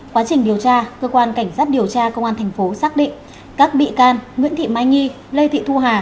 quá trình điều tra cơ quan cảnh sát điều tra công an tp hcm xác định các bị can nguyễn thị mai nghi lê thị thu hà